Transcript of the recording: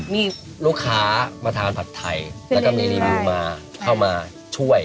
มีลูกค้ามาทานผัดไทยแล้วก็มีรีวิวมาเข้ามาช่วย